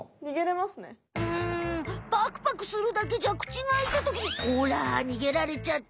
パクパクするだけじゃ口があいたときにほらにげられちゃった！